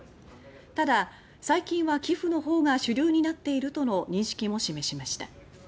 ただ、最近は寄付の方が主流になっているとの認識も示しました。